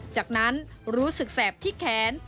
จากนั้นรู้สึกแสบที่แขน